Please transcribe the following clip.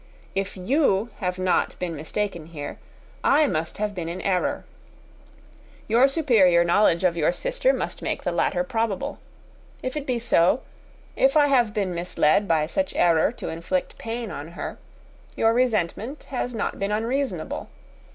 If you have not been mistaken here, I must have been in an error. Your superior knowledge of your sister must make the latter probable. If it be so, if I have been misled by such error to inflict pain on her, your resentment has not been unreasonable.